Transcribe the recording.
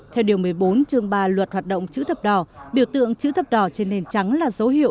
theo điều một mươi bốn chương ba luật hoạt động chữ thập đỏ biểu tượng chữ thập đỏ trên nền trắng là dấu hiệu